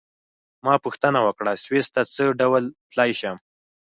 ما پوښتنه وکړه: سویس ته څه ډول تلای شم؟